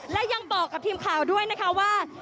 และยังบอกกับทีมข่าวด้วยนะคะว่า